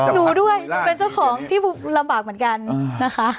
หนูด้วยเป็นเจ้าของที่ลำบากเหมือนกันนะคะ